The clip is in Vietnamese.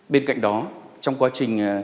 bên cạnh đó trong quá trình tìm kiếm